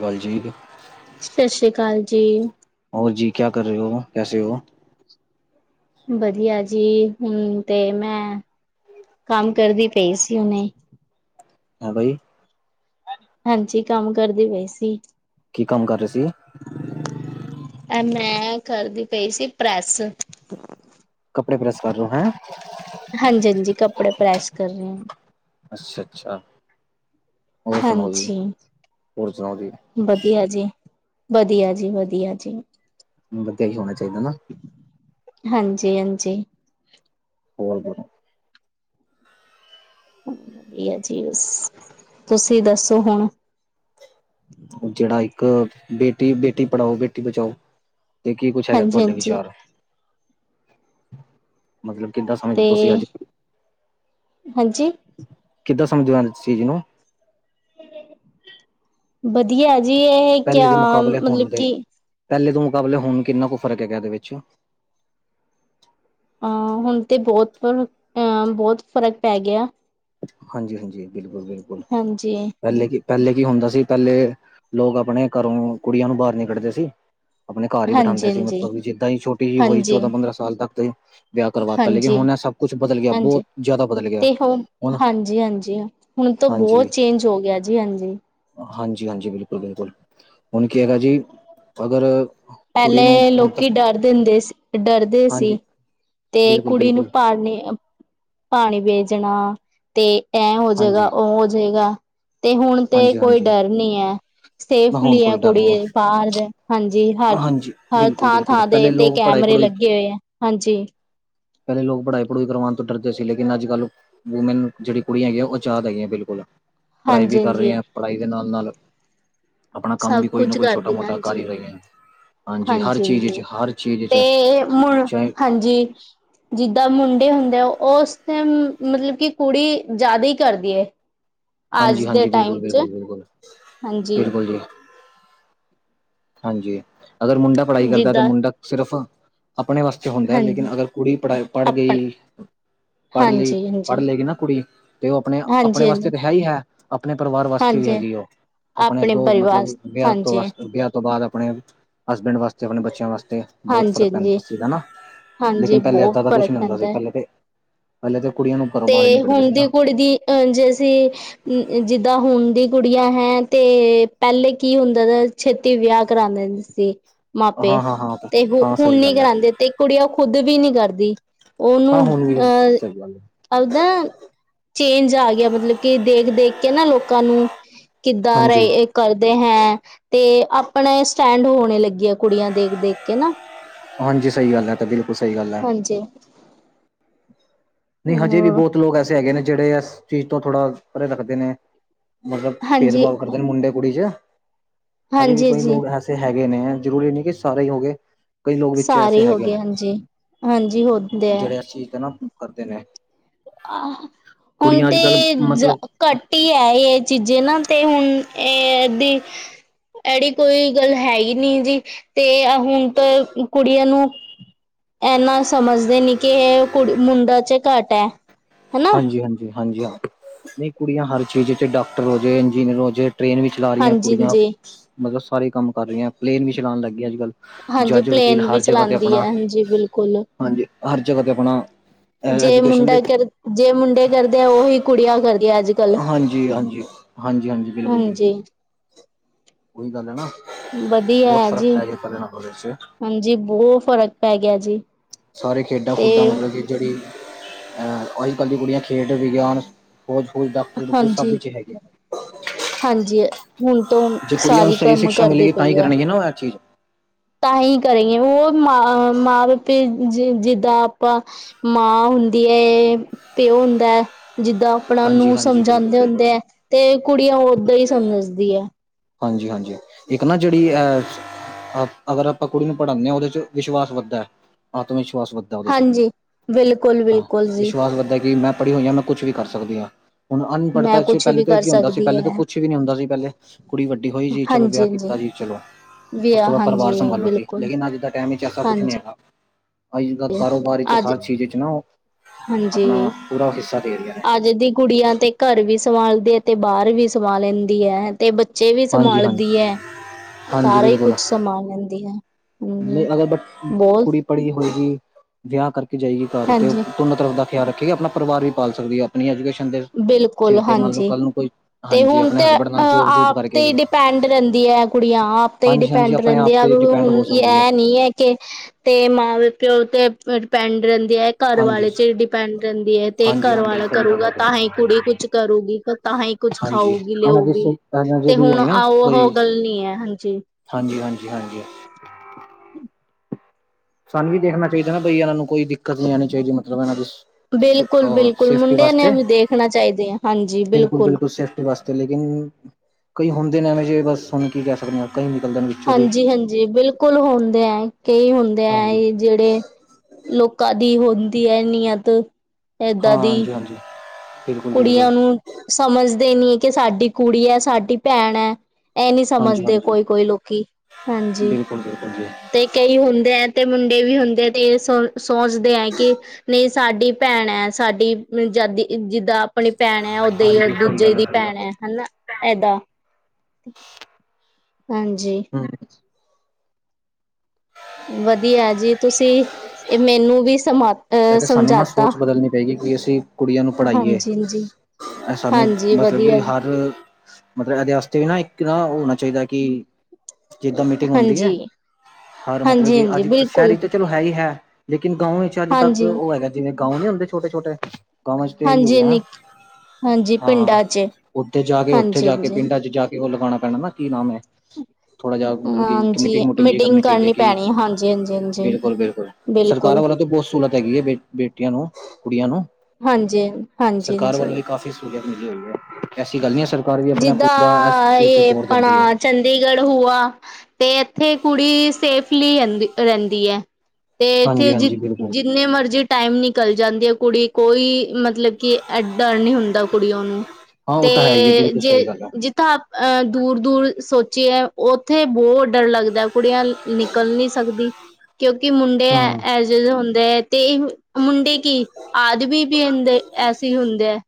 ਗੱਲ ਜੀਹੀਕ ਸਤਿ ਸ਼੍ਰੀ ਅਕਾਲ ਜੀ ਹੋਰ ਜੀ ਕਿਆ ਕਰ ਰਹੇ ਹੋ ਕੈਸੇ ਹੋ ਵਧੀਆ ਜੀ ਹੁਣ ਤੇ ਮੈਂ ਕੰਮ ਕਰਦੀ ਪਈ ਸੀ ਹੂਨੇ ਹਾਂ ਬਾਈ ਹਾਂਜੀ ਕੰਮ ਕਰਦੇ ਪਇ ਸੀ ਕੀ ਕੰਮ ਕਰ ਰਹੇ ਸੀ ਮੈਂ ਕਰਦੀ ਪਈ ਸੀ ਪ੍ਰੈੱਸ ਕੱਪੜੇ ਪ੍ਰੈਸ ਕਰ ਰਹੇ ਹੋ ਹੈ ਹਾਂਜੀ ਹਾਂਜੀ ਕੱਪੜੇ ਪ੍ਰੈਸ ਕਰ ਰਹੇ ਹਾਂ ਅੱਛਾ ਅੱਛਾ ਹਾਂਜੀ ਹੋਰ ਸੁਣਾਓ ਜੀ ਵਧੀਆ ਜੀ ਵਧੀਆ ਜੀ ਵਧੀਆ ਜੀ ਵਧੀਆ ਹੀ ਹੋਣਾ ਚਾਹੀਦਾ ਨਾ ਹਾਂਜੀ ਹਾਂਜੀ ਹੋਰ ਕੁਛ ਵਧੀਆ ਜੀ ਬਸ ਤੁਸੀਂ ਦੱਸੋ ਹੁਣ ਜਿਹੜਾ ਇੱਕ ਬੇਟੀ ਬੇਟੀ ਪੜਾਓ ਬੇਟੀ ਬਚਾਓ ਤੇ ਕੀ ਕੁੱਛ ਹੈਗਾ ਹਾਂਜੀ ਤੁਹਾਡੇ ਹਾਂਜੀ ਵਿਚਾਰ ਮਤਲਬ ਕਿੱਦਾਂ ਸਮਝ ਤੇ ਤੁਸੀਂ ਅੱਜ ਹਾਂਜੀ ਕਿੱਦਾਂ ਸਮਝੋ ਇਸ ਚੀਜ਼ ਨੂੰ ਵਧੀਆ ਜੀ ਇਹ ਪਹਿਲੇ ਕਿਆ ਦੇ ਮੁਕਾਬਲੇ ਮਤਲਬ ਹੁਣ ਦੇ ਕਿ ਪਹਿਲੇ ਤੋਂ ਮੁਕਾਬਲੇ ਹੁਣ ਕਿੰਨਾ ਕੁ ਫਰਕ ਹੈਗਾ ਇਹਦੇ ਵਿੱਚ ਅ ਹੁਣ ਤੇ ਬਹੁਤ ਫਰਕ ਅਹ ਬਹੁਤ ਫ਼ਰਕ ਪੈ ਗਿਆ ਹਾਂਜੀ ਹਾਂਜੀ ਬਿਲਕੁਲ ਬਿਲਕੁਲ ਹਾਂਜੀ, ਪਹਿਲੇ ਕੀ ਪਹਿਲੇ ਕੀ ਹੁੰਦਾ ਸੀ ਪਹਿਲੇ ਲੋਕ ਆਪਣੇ ਘਰੋਂ ਕੁੜੀਆਂ ਨੂੰ ਬਾਹਰ ਨਹੀ ਕੱਢਦੇ ਸੀ ਆਪਣੇ ਘਰ ਹੀ ਹਾਂਜੀ, ਬਠਾਂਦੇ ਸੀ ਮਤਲਬ ਕਿ ਜਿੱਦਾਂ ਹੀ ਛੋਟੀ ਜਿਹੀ ਹੋਈ ਹਾਂਜੀ, ਚੌਦਾਂ ਪੰਦਰਾਂ ਸਾਲ ਤੱਕ ਦੀ ਵਿਆਹ ਕਰਵਾਤਾ ਲੇਕਿਨ ਹਾਂਜੀ, ਹਾਂਜੀ, ਹੋਣ ਸਭ ਕੁਛ ਬਦਲ ਗਿਆ ਹਾਂਜੀ ਬਹੁਤ ਜ਼ਿਆਦਾ ਬਦਲ ਗਿਆ ਤੇ ਹੋ ਹੁਣ ਹਾਂਜੀ -ਹਾਂਜੀ ਹੁਣ ਤਾਂ ਹਾਂਜੀ ਬਹੁਤ ਚੇਂਜ ਹੋ ਗਿਆ ਜੀ ਹਾਂਜੀ ਹਾਂਜੀ -ਹਾਂਜੀ ਬਿਲਕੁਲ -ਬਿਲਕੁਲ ਹੁਣ ਕੀ ਹੈਗਾ ਜੀ ਅਗਰ ਕੁੜੀ ਨੂੰ ਪਹਿਲੇ ਹੁਣ ਤੱਕ ਲੋਕੀ ਡਰਦੇ ਦਿੰਦੇ ਸੀ ਡਰਦੇ ਸੀ ਹਾਂਜੀ ਤੇ ਬਿਲਕੁਲ ਕੁੜੀ ਨੂੰ ਬਿਲਕੁਲ ਪਾਲਨੀ ਪਾਣੀ ਵਚਣਾ ਤੇ ਐ ਹੋ ਜਾਏਗਾ ਹਾਂਜੀ ਉਹ ਹੋ ਜਾਏਗਾ-ਚ ਤੇ ਹੁਣ ਤੇ ਹਾਂਜੀ ਕੋਈ ਹਾਂਜੀ ਡਰ ਨੀ ਹੈ। ਮੈਂ ਹੁਣ ਸੇਫਲੀ ਹੈ ਕੋਈ ਡਰ ਕੁੜੀ ਨਹੀਂ ਬਾਹਰ ਜਾ ਹਾਂਜੀ। ਹੈ। ਹਰ ਹਾਂਜੀ। ਹਰ ਬਿਲਕੁਲ ਥਾਂ -ਬਿਲਕੁਲ ਥਾਂ ਦੇ ਪਹਿਲੇ ਤੇ ਲੋਕ ਪੜਾਈ ਕੈਮਰੇ ਪੁੜਈ ਲੱਗੇ ਹੋਏ ਹੈ ਹਾਂਜੀ, ਪਹਿਲੇ ਲੋਕ ਪੜ੍ਹਾਈ ਪੜ੍ਹਈ ਕਰਵਾਉਣ ਤੋਂ ਡਰਦੇ ਸੀ। ਲੇਕਿਨ ਅੱਜ ਕੱਲ੍ਹ ਲੋਕ ਵੂਮੈਨ ਜਿਹੜੀ ਕੁੜੀਆਂ ਹੇਗੀਆ, ਉਹ ਆਜ਼ਾਦ ਹੈਗੀਆਂ ਬਿਲਕੁਲ ਪੜ੍ਹਾਈ ਵੀ ਹਾਂਜੀ, ਕਰ ਹਾਂਜੀ। ਰਹੀਆਂ। ਪੜ੍ਹਾਈ ਦੇ ਨਾਲ ਨਾਲ ਅਪਣਾ ਕੰਮ ਸਭ ਵੀ ਕੋਈ ਨਾ ਕੁਝ ਕੋਈ ਛੋਟਾ ਕਰਦੀ ਮੋਟਾ ਕਰ ਹੀ ਹਾਂਜੀ। ਰਹੇ ਨੇ। ਹਰ ਹਾਂਜੀ। ਚੀਜ਼ ਵਿੱਚ ਵੀਰੇ ਹਰ ਚੀਜ਼ ਵਿੱਚ ਤੇ ਹੁਣ ਚਾਹੇ ਹਾਂਜੀ। ਜਿੱਦਾਂ ਮੁੰਡੇ ਹੁੰਦੇ, ਉਸ ਟਾਈਮ ਮਤਲਬ ਕੀ ਕੁੜੀ ਜ਼ਿਆਦਾ ਹੀ ਕਰਦੀ ਹੈ। ਅੱਜ ਹਾਂਜੀ- ਦੇ ਹਾਂਜੀ ਟਾਈਮ ਬਿਲਕੁਲ- ਚ ਬਿਲਕੁਲ ਬਿਲਕੁਲ ਹਾਂਜੀ -ਬਿਲਕੁਲ ਜੀ। ਹਾਂਜੀ। ਅਗਰ ਮੁੰਡਾ ਪੜ੍ਹਾਈ ਕਰਦਾ ਤਾਂ ਜਿੱਦਾਂ ਮੁੰਡਾ ਸਿਰਫ ਅਪਣੇ ਵਸ ਹੁੰਦਾ ਹਾਂਜੀ ਲੇਕਿਨ ਅਗਰ ਕੁੜੀ ਪੜਾਈ ਪੜ੍ਹ ਆਪਣਾ ਗਈ ਪੜ੍ਹ ਲਈ, ਹਾਂਜੀ ਪੜ੍ਹ ਹਾਂਜੀ ਲਏਗੀ ਨਾ ਕੁੜੀ ਤੇ ਉਹ ਅਪਣੇ, ਅਪਣੇ ਹਾਂਜੀ ਹਾਂਜੀ ਵਾਸਤੇ ਤਾਂ ਹੈ ਹੀ ਹੈ। ਅਪਣੇ ਪਰਿਵਾਰ ਵਾਸਤੇ ਵੀ ਹਾਂਜੀ ਹੈਗੀ ਉਹ ਆਪਣੇ ਤੋਂ ਪਰਿਵਾਰ ਮਤਲਬ ਵਿਆਹ ਤੋਂ ਹਾਂਜੀ ਵਸ ਵਿਆਹ। ਤੋਂ ਬਾਅਦ ਆਪਣੇ ਹਸਬੈਂਡ ਵਾਸਤੇ, ਆਪਣੇ ਬੱਚਿਆਂ ਵਾਸਤੇ ਬਹੁਤ ਹਾਂਜੀ ਫ਼ਰਕ ਹਾਂਜੀ ਪੈਂਦਾ ਸੀਗਾ ਨਾ। ਹਾਂਜੀ ਲੇਕਿਨ ਪਹਿਲੇ ਬਹੁਤ ਏਦਾਂ ਦਾ ਕੁਛ ਫ਼ਰਕ ਨੀ ਹੁੰਦਾ ਸੀ ਪੈਂਦਾ ਹੈ ਪਹਿਲੇ ਤੇ, ਪਹਿਲੇ ਤਾਂ ਕੁੜੀਆਂ ਨੂੰ ਘਰੋਂ ਬਾਹਰ ਹੀ ਨਹੀਂ ਕੱਢਦੇ ਸੀ ਨਾ। ਉੰਝ ਅਸੀਂ। ਜਿੱਦਾਂ ਹੁਣ ਦੀ ਕੁੜੀਆਂ ਹੈ ਤੇ ਪਹਿਲੇ ਕੀ ਹੁੰਦਾ। ਛੇਤੀ ਵਿਆਹ ਕਰਾ ਦੇਂਦੇ ਸੀ। ਮਾਪੇ ਹਾਂ, ਹਾਂ, ਹਾਂ, ਤੇ ਹਾਂ ਹੁਣ ਸਹੀ ਨੀ ਗੱਲ ਹੈ। ਕਰਾਉਂਦੇ। ਤੇ ਕੁੜੀ ਉਹ ਖੁਦ ਵੀ ਨੀ ਕਰਦੀ ਹਾਂ ਉਹਨੂੰ ਹੁਣ ਵੀ ਅਹ। ਸਹੀ ਗੱਲ ਹੈ। ਲਗਦਾ ਚੇਂਜ ਆ ਗਿਆ ਮਤਲਬ ਕਿ ਦੇਖ ਦੇਖ ਕੇ ਨਾ ਲੋਕਾਂ ਨੂੰ। ਕਿੱਦਾਂ ਹਾਂਜੀ, ਰਹੇ ਇਹ ਕਰਦੇ ਹੈ। ਤੇ ਅਪਣੇ ਸਟੈਂਡ ਹੋਣੇ ਲੱਗੀਆਂ ਕੁੜੀਆਂ ਦੇਖ ਦੇਖ ਕੇ ਨਾ। ਹਾਂਜੀ। ਸਹੀ ਗੱਲ ਹੈ ਤਾਂ ਬਿਲਕੁਲ ਸਹੀ ਗੱਲ ਹੈ। ਹਾਂਜੀ ਨਹੀਂ ਹਜੇ ਵੀ ਹੋਰ ਬਹੁਤ ਲੋਕ ਐਸੇ ਹੈਗੇ ਨੇ ਜਿਹੜੇ ਇਸ ਚੀਜ਼ ਤੋਂ ਥੋੜਾ ਪਰੇ ਰੱਖਦੇ ਨੇ। ਮਤਲਬ ਹਾਂਜੀ ਭੇਦਭਾਵ ਕਰਦੇ ਨੇ ਮੁੰਡੇ ਕੁੜੀ ਚ, ਹਜੇ ਵੀ ਹਾਂਜੀ ਕੋਈ ਜੀ ਲੋਕ ਏਸੇ। ਹੈਗੇ ਨੇ ਜ਼ਰੂਰੀ ਨ ਕਿ ਸਾਰੇ ਹੀ ਹੋ ਗਏ। ਕਈ ਲੋਕ ਵਿੱਚ ਐਸੇ ਸਾਰੇ ਹੋ ਹੈਗੇ ਗਏ ਨੇ, ਹਾਂਜੀ ਹਾਂਜੀ ਹੁੰਦੇ ਜਿਹੜੇ ਐ ਚੀਜ਼ ਤਾਂ ਨਾ ਕਰਦੇ ਨੇ। ਆਹ ਹੁਣ ਕੁੜੀਆਂ ਤੇ ਅੱਜ ਕੱਲ੍ਹ ਜਾ। ਮਤਲਬ ਘੱਟ ਹੀ ਹੈ, ਇਹ ਚੀਜ਼ ਨਾ ਤੇ ਹੁਣ ਇਹ ਦੀ। ਇਹੜੀ ਕੋਈ ਗੱਲ ਹੈ ਹੀ ਨਹੀ ਜੀ ਤੇ ਹੁਣ ਤਾਂ ਕੁੜੀਆਂ ਨੂੰ। ਇਨਾ ਸਮਝਦੇ ਨੀ ਕਿ ਇਹ ਕੁੜੀ ਮੁੰਡਾ ਚ ਘੱਟ ਹੈ ਨਾ। ਹਾਂਜੀ ਹਾਂਜੀ ਹਾਂਜੀ ਹਾਂ ਨਹੀਂ ਕੁੜੀਆਂ ਹਰ ਚੀਜ਼ ਚੇ ਡਾਕਟਰ ਹੋ ਜੈ, ਇੰਜੀਨੀਅਰ ਹੋ ਜੈ, ਟ੍ਰੇਨ ਵਿੱਚ। ਚਲਾ ਰਹੀਆਂ ਹਾਂਜੀ ਕੁੜੀਆਂ ਹਾਂਜੀ ਮਤਲਬ ਸਾਰੇ ਕੰਮ ਕਰ ਰਹੀਆਂ ਪਲੇਨ ਵੀ ਚਲਾਉਣ ਲੱਗ ਗਈਆਂ ਅੱਜ ਕੱਲ੍ਹ। ਹਾਂਜੀ ਜੱਜ ਵਕੀਲ ਪਲੇਨ ਹਰ ਵੀ ਜਗ੍ਹਾ ਤੇ ਚਲਾਉਂਦੀ ਅਪਣਾ ਹੈ ਹਾਂਜੀ ਬਿਲਕੁਲ ਹਾਂਜੀ ਹਰ ਜਗ੍ਹਾ ਤੇ ਅਪਣਾ। ਜੇ ਮੁੰਡੇ ਕਰ, ਜੇ ਮੁੰਡੇ ਕਰਦੇ ਆ ਉਹੀ ਕੁੜੀਆਂ ਕਰਦੀਆਂ ਅੱਜ ਕੱਲ। ਹਾਂਜੀ ਹਾਂਜੀ ਹਾਂਜੀ ਹਾਂਜੀ ਬਿਲਕੁਲ ਬਿਲਕੁਲ। ਉਹੀ ਗੱਲ ਹੈ ਨਾ ਵਧੀਆ ਬਹੁਤ ਹੈ ਫਰਕ ਜੀ ਪੈ ਗਿਆ ਪਹਿਲੇ ਨਾਲ ਉੱਦੇ ਚੇ। ਹਾਂਜੀ ਬਹੁਤ ਫ਼ਰਕ ਪੈ ਗਿਆ ਜੀ। ਸਾਰੇ ਖੇਡਾਂ ਤੇ ਖੂਡਾਂ ਮਤਲਬ ਕਿ ਜਿਹੜੀ ਅਜ ਕੱਲ੍ਹ ਦੀਆ ਕੁੜੀਆਂ ਖੇਡ ਰੀਅਨ। ਖੋਜ ਹੋੋਜ ਡਾਕਟਰ ਕੁਛ ਸਭ ਹਾਂਜੀ ਵਿੱਚੀ ਹੈਗੀਆਂ ਨੇ। ਹਾਂਜੀ ਹੁਣ ਤਾਂ ਹੁਣ ਸਾਰੀ ਕੰਮ ਕਰਦੇ ਪਈ ਹੈ ਕਿਨੋ ਹੋਯਾਂ ਚੀਜ਼। ਤਾਂ ਹੀ ਕਰੇਗੇ ਉਹ ਮਾਂ ਮਾਂ ਬਾਪੇ ਜ ਜਿੱਦਾਂ ਆਪਾਂ। ਮਾਂ ਹੁੰਦੀ ਹੈ ਪਿਓ ਹੁੰਦਾ ਹੈ ਜਿੱਦਾਂ। ਆਪਣਾ ਹਾਂਜੀ ਨੂੰ ਹਾਂਜੀ ਬਿਲਕੁਲ ਸਮਝਾਉਂਦੇ ਬਿਲਕੁਲ ਹੁੰਦੇ ਹੈ ਤੇ ਕੁੜੀਆਂ ਓਦਾਂ ਹੀ ਸਮਝਦੀ ਹੈ। ਹਾਂਜੀ-ਹਾਂਜੀ ਇੱਕ ਨਾ ਜਿਹੜੀ ਅ। ਅਗਰ ਆਪਾਂ ਕੁੜੀ ਨੂੰ ਪੜ੍ਹਾਂਨੇ ਹਾਂ ਉਹਦੇ ਚ ਵਿਸ਼ਵਾਸ ਵੱਧਦਾ ਹੈ, ਆਤਮ ਵਿਸ਼ਵਾਸ ਵੱਧਦਾ। ਦੇ ਹਾਂਜੀ ਬਿਲਕੁਲ ਬਿਲਕੁਲ ਜੀ ਵਿਸ਼ਵਾਸ ਵੱਧਦਾ ਕਿ ਮੈਂ ਪੜ੍ਹੀ ਹੋਈ ਐ, ਮੈਂ ਕੁਛ ਵੀ ਕਰ ਸਕਦੀ ਹਾਂ। ਹੁਣ ਅਨਪੜ੍ਹਤਾ ਮੈਂ ਚ ਕੁਛ ਪਹਿਲੇ ਵੀ ਤਾਂ ਕਰ ਕੀ ਹੁੰਦਾ ਸੀ, ਸਕਦੀ ਪਹਿਲੇ ਤੋਂ ਹੈ ਕੁਛ ਵੀ ਨੀ ਹੁੰਦਾ ਸੀ, ਪਹਿਲੇ ਕੁੜੀ ਵੱਡੀ ਹੋਈ ਜੀ ਚਲੋ ਵਿਆਹ ਹਾਂਜੀ ਹਾਂਜੀ ਕੀਤਾ ਜੀ। ਚਲੋ ਉਸ ਤੋਂ ਵਿਆਹ ਬਾਅਦ ਪਰਿਵਾਰ ਹਾਂਜੀ ਸੰਭਾਲੋ ਜੀ, ਬਿਲਕੁਲ ਲੇਕਿਨ ਅੱਜ ਦਾ ਟਾਈਮ ਵਿੱਚ ਐਸਾ ਕੁਛ ਨਹੀਂ ਹਾਂਜੀ ਹੈਗਾ। ਅੱਜ-ਕੱਲ ਕਾਰੋਬਾਰ ਵਿੱਚ ਅੱਜ ਹਰ ਚੀਜ਼ ਵਿਚ ਨਾ ਉਹ। ਆਪਣਾ ਹਾਂਜੀ, ਪੂਰਾ ਹਿੱਸਾ ਦੇ ਰਹੀਆਂ ਨੇ ਅੱਜ ਦੀ ਕੁੜੀਆਂ ਤੇ ਘਰ ਵੀ ਸੰਭਾਲਦੀ ਏ, ਤੇ ਬਾਹਰ ਵੀ ਸੰਭਾਲ ਲੈਂਦੀ ਐ। ਤੇ ਬੱਚੇ ਵੀ ਹਾਂਜੀ ਹਾਂਜੀ ਸੰਭਾਲਦੀ ਐ, ਹਾਂਜੀ ਸਾਰਾ ਹੀ ਬਿਲਕੁਲ ਕੁਛ ਸੰਭਾਲ ਲੈਂਦੀ ਐ। ਅਗਰ ਬਟ ਕੁੜੀ ਪੜ੍ਹੀ ਹੋਏਗੀ, ਵਿਆਹ ਕਰਕੇ ਜਾਏਗੀ ਘਰ ਤੇ ਉਹ ਹਾਂਜੀ ਦੋਨੋਂ ਤਰਫ਼ ਦਾ ਖਿਆਲ ਰੱਖੇਗੀ, ਆਪਣਾ ਪਰਿਵਾਰ ਵੀ ਪਾਲ ਸਕਦੀ ਐ। ਆਪਣੀ ਐਜੂਕੇਸ਼ਨ ਦੇ ਬਿਲਕੁਲ ਸਿਰ ਤੇ ਮੰਨ ਲਓ, ਹਾਂਜੀ ਕੱਲ ਨੂੰ ਕੋਈ ਤੇ ਹਾਂਜੀ ਹੁਣ ਆਪਣੇ ਤੇ ਹਸਬੈਂਡ ਨਾਲ ਜੋਬ ਅਹ ਜੂਬ ਆਪ ਕਰਕੇ ਤੇ ਵੀ ਡਿਪੈਂਡ ਰਹਿੰਦੀ ਐ ਕੁੜੀਆਂ, ਆਪ ਤੇ ਹੀ ਹਾਂਜੀ ਹਾਂਜੀ ਡਿਪੈਂਡ ਆਪਣੇ ਆਪ ਰਹਿੰਦੀਆਂ, ਤੇ ਕਿਉਂਕਿ ਡਿਪੈਂਡ ਹੁਣ ਹੋ ਸਕਦੀ ਇਹ ਨੀ ਹੈ, ਕਿ ਤੇ ਮਾਂ-ਪਿਓ ਤੇ ਡਿਪੈਂਡ ਰਹਿੰਦੀ ਐ। ਘਰ ਹਾਂਜੀ ਵਾਲੇ ਚ ਡਿਪੈਂਡ ਰਹਿੰਦੀ ਐ, ਤੇ ਹਾਂਜੀ ਘਰ ਹਾਂਜੀ ਵਾਲਾ ਸਹੀ ਕਰੂਗਾ। ਗੱਲ ਹੈ ਤਾਂਹੀ ਕੁੜੀ ਕੁਛ ਕਰੂਗੀ, ਤਾਂਹੀ ਕੁਛ ਹਾਂਜੀ ਖਾਊਗੀ, ਇਹਨਾਂ ਦੀ ਲੇਉਗੀ। ਇਹਨਾਂ ਦੀ ਤੇ ਵੀ ਹੁਣ ਆ ਓਹੋ ਗੱਲ ਨੀ ਐ, ਹਾਂਜੀ। ਹਾਂਜੀ-ਹਾਂਜੀ-ਹਾਂਜੀ। ਸਾਨੂੰ ਵੀ ਦੇਖਣਾ ਚਾਹੀਦਾ ਨਾ ਬਈ ਇਹਨਾਂ ਨੂੰ ਕੋਈ ਦਿੱਕਤ ਨਹੀਂ ਆਣੀ ਚਾਹੀਦੀ, ਮਤਲਬ ਇਹਨਾਂ ਦੀ ਬਿਲਕੁਲ ਅਹ ਬਿਲਕੁਲ ਸੇਫਟੀ ਮੁੰਡਿਆਂ ਵਾਸਤੇ, ਨੇ ਵੀ ਦੇਖਣਾ ਚਾਹੀਦੇ ਆ ਹਾਂਜੀ ਬਿਲਕੁਲ- ਬਿਲਕੁਲ ਸੇਫਟੀ ਵਾਸਤੇ। ਲੇਕਿਨ ਕਈ ਹੁੰਦੇ ਨੇ ਐਵੇਂ ਜਿਹੇ, ਬਸ ਹੁਣ ਕੀ ਕਹਿ ਸਕਦੇ ਆਂ। ਕਈ ਨਿਕਲਦੇ ਨੇ। ਵਿੱਚੋਂ ਦੀ ਹਾਂਜੀਹਾਂਜੀ ਬਿਲਕੁਲ ਹੁੰਦੇ ਐ, ਕਈ ਹੁੰਦੇ ਹਾਂਜੀ ਐ। ਜਿਹੜੇ ਲੋਕਾਂ ਦੀ ਹੁੰਦੀ ਐ ਨੀਅਤ ਏਦਾਂ ਹਾਂ, ਦੀ ਹਾਂਜੀ-ਹਾਂਜੀ। ਕੁੜੀਆਂ ਨੂੰ ਸਮਝਦੇ ਨੀ ਐ ਕਿ ਸਾਡੀ ਕੁੜੀ ਐ, ਸਾਡੀ ਭੈਣ ਐ। ਇਹ ਨੀ ਹਾਂਜੀ ਸਮਝਦੇ ਹਾਂਜੀ ਕੋਈ-ਕੋਈ ਲੋਕੀ, ਹਾਂਜੀ ਬਿਲਕੁਲ ਬਿਲਕੁਲ ਜੀ ਤੇ ਕਈ ਹੁੰਦੇ ਐ ਤੇ ਮੁੰਡੇ ਵੀ ਹੁੰਦੇ ਆ, ਤੇ ਇਹ ਸੋ ਸੋਚਦੇ ਐ ਕਿ ਨਹੀਂ ਸਾਡੀ ਭੈਣ ਐ, ਸਾਡੀ ਜਦੀ ਜਿ ਦਾਂ ਆਪਣੀ ਭੈਣ ਐ, ਓਦਾਂ ਹੀ ਹਾਂਜੀ ਸਹੀ ਦੂਜੇ ਗੱਲ ਹੈ ਦੀ ਸਹੀ ਭੈਣ ਗੱਲ ਹੈ ਐ ਹਨਾ, ਏਦਾਂ [unintelligible] ਹਾਂਜੀ, ਹੂੰ। ਵਧੀਆ ਜੀ, ਤੁਸੀਂ ਇਹ ਮੈਨੂੰ ਵੀ ਸਮਾ ਅਹ ਸਾਨੂੰ ਨਾ ਸਮਝਾਤਾ ਸੋਚ ਬਦਲਣੀ ਪਏਗੀ, ਕਿ ਅਸੀਂ ਕੁੜੀਆਂ ਨੂੰ ਪੜ੍ਹਾਈਏ। ਹਾਂਜੀ ਹਾਂਜੀ ਸਾਨੂੰ ਹਾਂਜੀ ਮਤਲਬ ਕਿ, ਵਧੀਆ ਹਰ ਮਤਲਬ ਇਹਦੇ ਵਾਸਤੇ ਵੀ ਨਾ ਕਿ ਹੋਣਾ ਚਾਹੀਦਾ, ਕਿ ਜਿੱਦਾਂ ਮੀਟਿੰਗ ਹੁੰਦੀ ਐ। ਹਾਂਜੀ ਹਰ ਮਤਲਬ ਕਿ ਹਾਂਜੀ-ਹਾਂਜੀ ਅੱਜ ਕ ਬਿਲਕੁਲ ਸ਼ਹਿਰੀ ਤੇ ਚਲੋ ਹੈ ਹੀ ਹੈ, ਲੇਕਿਨ ਗਾਉਂ ਵਿੱਚ ਅੱਜ ਤੱਕ ਉਹ ਹਾਂਜੀ-ਹਾਂਜੀ ਹੈਗਾ, ਜਿਵੇਂ ਗਾਉਂ ਨੀ ਹੁੰਦੇ ਛੋਟੇ- ਛੋਟੇ ਗਾਵਾਂ ਚ ਤੇ ਆਈ ਹੋ ਗਿਆ ਨਾ, ਨ ਹਾਂਜੀ ਹਾਂ। ਪਿੰਡਾਂ ਚ ਉਥੇ ਜਾ ਕੇ ਉੱਥੇ ਜਾ ਕੇ ਹਾਂਜੀ-ਹਾਂਜੀ ਪਿੰਡਾਂ ਚ ਜਾ ਕੇ ਉਹ ਲਗਾਣਾ ਪੈਣਾ ਨਾ, ਕੀ ਨਾਮ ਐ? ਥੋੜਾ ਜਿ ਹਾਂਜੀ ਮਤਲਬ ਕਿ ਹਾਂਜੀ ਮੀਟਿੰਗ ਮੁਟਿੰਗ ਜੀ ਕਰਨੀ ਚਾਹੀਦੀ ਏ, ਕਿ ਪੈਣੀ ਹਾਂਜੀ-ਹਾਂਜੀ-ਹਾਂਜੀ ਬਿਲਕੁਲ-ਬਿਲਕੁਲ ਬਿਲਕੁਲ ਸਰਕਾਰਾਂ ਵੱਲੋਂ ਤੇ ਬਹੁਤ ਹੈਗੀ ਹੈ ਬੇ ਬੇਟੀਆਂ ਨੂੰ, ਕੁੜੀਆਂ ਨੂੰ ਸਰਕਾਰ ਵੱਲੋਂ ਹਾਂਜੀ-ਹਾਂਜੀ-ਹਾਂਜੀ ਵੀ ਕਾਫ਼ੀ ਐਸੀ ਗੱਲ ਨੀ ਐ, ਸਰਕਾਰ ਵੀ ਆਪਣਾ ਪੂਰਾ ਇਸ ਜਿੱਦਾਂ ਚੀਜ਼ ਤੇ ਇਹ ਜ਼ੋਰ ਦਿੰਦੀ ਐ। ਆਪਣਾ ਚੰਡੀਗੜ੍ਹ ਹੂਆ ਤੇ ਇੱਥੇ ਕੁੜੀ ਸੇਫਲੀ ਰਹਿੰ ਰਹਿੰਦੀ ਐ। ਤੇ ਇੱਥੇ ਹਾਂਜੀ ਜਿ ਹਾਂਜੀ ਬਿਲਕੁਲ ਜਿੰਨੇ, ਮਰਜ਼ੀ ਟਾਈਮ ਨਿਕਲ ਜਾਂਦੀ ਐ ਕੁੜੀ, ਕੋਈ ਮਤਲ ਮਤਲਬ ਕਿ ਐ ਡਰ ਨੀ ਹੁੰਦਾ ਕੁੜੀਆਂ ਨੂੰ, ਹਾਂ ਉਹ ਤੇ ਤਾਂ ਹੈ ਹੀ ਹੈ ਬਿਲਕੁਲ ਸਹੀ ਜੇ ਗੱਲ ਹੈ ਜਿੱਥਾਂ ਆਪ ਅ ਦੂਰ-ਦੂਰ ਸੋਚਿਐ ਉੱਥੇ ਬਹੁਤ ਡਰ ਲੱਗਦਾ, ਕੁੜੀਆਂ ਨਿਕਲ ਨਹੀਂ ਸਕਦੀ। ਕਯੋਂਕਿ ਮੁੰਡੇ ਹੂੰ ਏ ਏਜੇ ਹੁੰਦੇ ਐ, ਤੇ ਮੁੰਡੇ ਕੀ ਆਦਮੀ ਵੀ ਇੰਦੇ ਐਸੀ ਹੁੰਦੇ ਐ।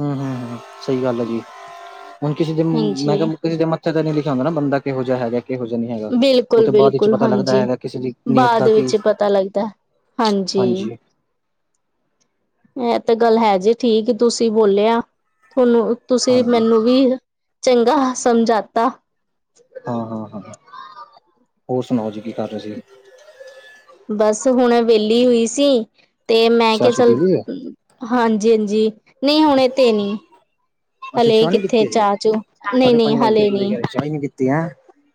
ਹੂੰ, ਹੂੰ ਸਈ ਗਾੱਲ ਐ ਜੀ, ਹੁਨ ਕਿਸੇ ਦੇ ਮੈਂ ਕੇਆ ਹਾਂਜੀ ਕਿਸੇ ਦੇ ਮ ਮੱਥੇ ਤੇ ਨੀ ਲਿਖਿਆ ਹੁੰਦਾ ਬੰਦਾ ਕੇਹੋ ਜਾ ਹੈਗਾ। ਕਿਹੋ ਜਿਹਾ ਨਹੀਂ ਹੈਗਾ ਉਹ ਬਿਲਕੁਲ, ਤੇ ਬਾਅਦ ਵਿੱਚ ਬਿਲਕੁਲ ਪਤਾ ਲੱਗਦਾ ਹਾਂਜੀ, ਹੈਗਾ ਕਿਸੇ ਦੀ ਨੀਅਤ ਦਾ ਬਾਦ ਕੀ ਵਿੱਚ ਪਤਾ ਲੱਗਦਾ। ਹਾਂਜੀ। ਐ ਤੇ ਗੱਲ ਹੈ ਜੀ ਠੀਕ‌ ਤੁਸੀ ਬੋਲੇਆ, ਥੋਨੂੰ ਅ ਤੁਸੀ ਹਾਂਜੀ, ਮੈਨੂੰ ਵੀ ਅ ਚੰਗ੍ਹਾ ਸਮਝਾਤਾ। ਹਾਂ, ਹਾਂ, ਹਾਂ, ਹੋਰ ਸੁਨਾਓ ਜੀ ਕੀ ਕਾੱਰ ਰੇ ਸੀ। ਬਾੱਸ ਹੁਨ ਵੇਲੀ ਹੋਈ ਸੀ। ਤੇ ਮੈਂ ਚਾਹ ਕੇਆ ਚੂ ਪੀ ਚੱਲ ਲਈ ਏ? ਹਾਂਜੀ, ਹਾਂਜੀ ਨੀ ਹੁਣੇ ਤੇ ਨੀ ਅੱਛਾ ਚਾ ਨੀ ਪੀਤੀ ਹਜੇ, ਚੂ ਨਹੀਂ ਸਾਡੇ ਨਹੀਂ ਪੰਜ ਵੱਜ ਗੇ ਤੁਸੀ ਕੈਰੇ ਚਾ ਈ ਨੀ ਪੀਤੀ ਹੈਂ।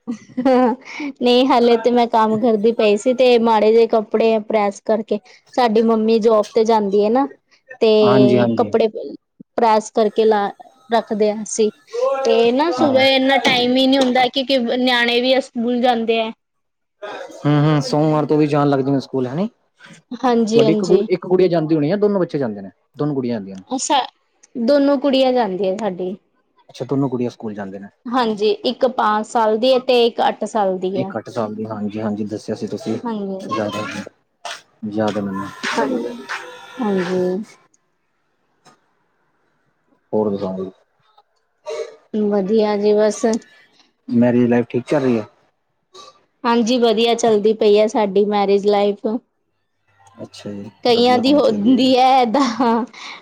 [unintelligible] ਨੀ ਹਾਲੇ ਤੇ ਮੈਂ ਕਾੰਮ ਕਰਦੀ ਪਈ ਸੀ, ਤੇ ਮਾੜੇ ਜੇ ਕੱਪੜੇ ਪ੍ਰੈਸ ਕਰਕੇ ਸਾਡੀ ਮੰਮੀ ਜੋਬ ਤੇ ਜਾਂਦੀ ਏ ਨਾ, ਤੇ ਹਾਂਜੀ-ਹਾਂਜੀ, ਕੱਪੜੇ ਪ੍ਰੈਸ ਕਰਕੇ ਲਾ ਰੱਖਦੇ ਆ ਅਸੀ, ਤੇ ਨਾ ਹਾਂ। ਸੁਭੇ ਏਨਾ ਟਾਈਮ ਈ ਨੀ ਹੁੰਦਾ ਕੇ ਕਿਵ ਨਿਆਣੇ ਵੀ ਸਕੂਲ ਜਾਂਦੇ ਐ। ਹੂੰ, ਹੂੰ, ਸੋਮਵਾਰ ਤੋਵੀ ਜਾਨ ਲੱਗ ਜਾਨਗੇ ਸਕੂਲ ਹਨੀ। ਹਾਂਜੀ ਤੋਆਡੀ ਇੱਕ ਗੁੜ ਹਾਂਜੀ ਇੱਕ ਗੁੜੀਆਂ ਜਾਂਦੀ ਹੋਣੀ ਯਾ ਦੋਨੋ ਬੱਚੇ ਜਾਂਦੇ ਨੇ, ਦੋਨੋ ਗੁੜੀਆਂ ਜਾਂਦੀਆਂ ਨੇ। ਦੋਨੋ ਕੁੜੀਆਂ ਜਾਂਦੀ ਐ ਸਾਡੀ ਅੱਛਾ, ਦੋਨੋ ਗੁੜੀਆਂ ਸਕੂਲ ਜਾਂਦੇ ਨੇ ਹਾਂਜੀ, ਇੱਕ ਪਾਂਚ ਸਾਲ ਦੀ ਏ, ਤੇ ਇੱਕ ਅੱਠ ਸਾਲ ਦੀ ਐ। ਇੱਕ ਅੱਠ ਸਾਲ ਦੀ ਹਾਂਜੀ, ਹਾਂਜੀ ਦਸ ਦਸੇਆ ਸੀ ਤੁਸੀ [unintelligible] ਹਾਂਜੀ ਯਾਦ ਐ ਮੈਨੂੰ ਹਾਂਜੀ, ਹਾਂਜੀ। ਹੋਰ ਸਨਾਓ [unintelligible] ਵਦੀਆ ਜੀ ਬਸ ਮੈਰਿਜ ਲਾਈਫ ਠੀਕ ਚੱਲ ਰੀ ਏ। ਹਾਂਜੀ, ਵਦੀਆ ਚੱਲਦੀ ਪਈ ਐ ਸਾਡੀ ਮੈਰਿਜ ਲਾਈਫ ਅੱਛਾ ਜੀ। ਕਈਆਂ ਵਧੀਆ ਦੀ ਹੋਣੀ ਚਾਹੀਦੀ ਐ ਹੋਂਦੀ ਜੀ। ਏ ਐਦਾ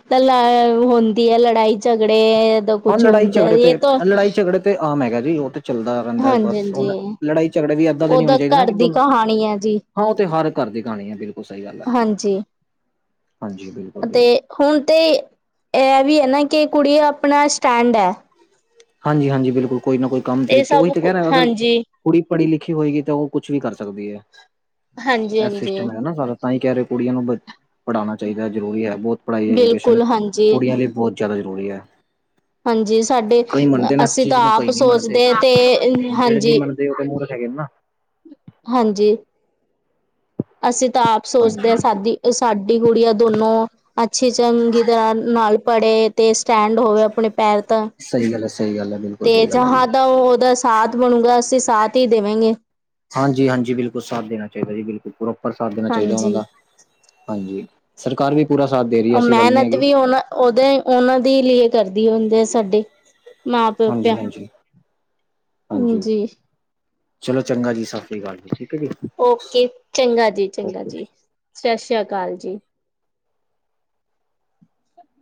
ਪੈਲਾ ਐ ਹੋਂਦੀ ਏ ਲੜਾਈ ਝਗੜੇ ਦਾ ਹਾਂ, ਕੁਛ ਲੜਾਈ ਹੁੰਦਾ ਝਗੜੇ ਇਹ ਤੇ ਤਾਂ ਲੜਾਈ ਝਗੜੇ ਤੇ ਆਮ ਹੈਗਾ ਜੀ ਓ ਤੇ ਚੱਲਦਾ ਰੈਂਦਾ ਹਾਂਜੀ ਬਾਸ ਹੁਨ। ਹਾਂਜੀ ਲੜਾਈ ਝਗੜੇ ਵੀ ਏਦਾਂ ਦੇ ਨੀ ਹੋਣੇ ਉਹਦਾ ਚਾਈਦੇ ਨਾ ਘਰ ਕੇ ਦੀ ਦੋਨੋਂ ਕਹਾਣੀ ਹੈ ਜੀ ਹਾਂ, ਓ ਤੇ ਹਰ ਘਰ ਦੀ ਕਾਣੀ ਐ, ਬਿਲਕੁਲ ਸਈ ਗਾੱਲ ਐ ਹਾਂਜੀ ਹਾਂਜੀ ਬਿਲਕੁਲ, ਬਿਲਕੁਲ। ਹੁਨ ਤੇ ਐ ਵੀ ਐ ਨਾ ਕਿ ਕੁੜੀ ਆਪਣਾ ਸਟੈਂਡ ਐ। ਹਾਂਜੀ, ਹਾਂਜੀ ਬਿਲਕੁਲ ਕੋਈ ਨਾ ਕੋਈ ਕੰਮ ਇਹ ਤਰੀਕੇ ਓਈ ਸਭ ਤਾ ਕੈਰਾ ਅਗਰ ਹਾਂਜੀ ਕੁੜੀ ਪੜੀ ਲਿਖੀ ਹੋਏਗੀ ਤਾ ਓ ਕੁਛ ਵੀ ਕਰ ਸਕਦੀ ਏ, ਹਾਂਜੀ ਐ ਹਾਂਜੀ ਸਿਸਟਮ ਹੈਗਾ ਨਾ ਸਾਰਾ। ਤਾਂਈ ਕੈਰੇਓ ਕੁੜੀਆਂ ਨੂੰ ਬ ਪੜਾਣਾ ਚਾਈਦਾ ਐ ਜ਼ਰੂਰੀ ਐ ਬੋਤ, ਪੜਾਈ ਐਜੂਕੇਸ਼ਨ ਬਿਲਕੁਲ ਹਾਂਜੀ ਕੁੜੀਆਂ ਲਈ ਬੋਤ ਜੈਦਾ ਜ਼ਰੂਰੀ ਐ। ਹਾਂਜੀ, ਸਾਡੇ ਅ ਨੇ ਇਸ ਅਸੀ ਤਾ ਚੀਜ਼ ਨੂੰ ਕਈ ਆਪ ਸੋਚਦੇ ਤੇ, ਹਾਂਜੀ। ਤੇ ਓ ਤੇ ਮੁਰਖ ਹੈਗੇ ਨਾ। ਹਾਂਜੀ। ਅਸੀ ਤਾ ਆਪ ਸੋਚਦੇ ਆ ਹਾਂਜੀ ਸਾਦੀ, ਸਾਡੀ, ਗੁੜੀਆ ਦੋਨੋ ਅੱਛੀ ਚੰਗੀ ਤਰਾਂ ਨਾਲ ਪੜੇ ਤੇ, ਸਟੈਂਡ ਹੋਵੇ ਆਪਣੇ ਪੈਰ ਤਾ ਸਈ ਗਾੱਲ ਐ, ਬਿਲ ਤੇ ਜਾਂਹਾ ਦਾ ਓ ਓਦਾ ਸਾਥ ਬਣੂਗਾ ਅਸੀ ਸਾਥ ਈ ਦੇਵੇਗੇ। ਹਾਂਜੀ, ਹਾਂਜੀ, ਬਿਲਕੁਲ ਸਾਥ ਦੇਨਾ ਚਾਈਦਾ ਜੀ ਬਿਲਕੁਲ ਪ੍ਰੋਪਰ ਸਾਥ ਦੇਨਾ ਚਾਈਦਾ ਓਨਾਂ ਹਾਂਜੀ। ਦਾ ਹਾਂਜੀ, ਸਰਕਾਰ ਵੀ ਪੂਰਾ ਸਾਥ ਦੇ ਰਈ ਏ, ਐਸੀ ਗੱਲ ਨੀ ਹੈਗੀ। ਓਦੇ ਓਨਾਂ ਦੇ ਈ ਲੀਏ ਕਰਦੀ ਹੁੰਦੇ ਆ ਸਾਡੇ ਮਾਂ [unintelligible] ਹਾਂਜੀ-ਹਾਂਜੀ। ਹਾਂਜੀ ਹਾਂਜੀ! ਚਲੋ, ਚੰਗਾ ਜੀ! ਸਾਸਰੀ ਕਾਲ ਜੀ। ਠੀਕ ਐ ਜੀ। ਓਕੇ! ਚੰਗਾ ਜੀ, ਚੰਗਾ ਓਕੇ। ਜੀ, ਸਾਸਰੀ ਆ ਕਾਲ ਜੀ। [inaudible]